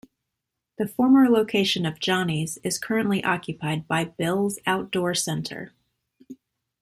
The former location of Johnny's is currently occupied by Bill's Outdoor Center.